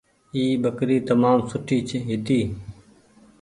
اي ٻڪري تمآم سوٺي هيتي۔